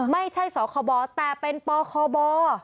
ไม่ใช่สคบแต่เป็นปคบ